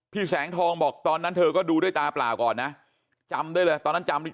แสงทองบอกตอนนั้นเธอก็ดูด้วยตาเปล่าก่อนนะจำได้เลยตอนนั้นจำได้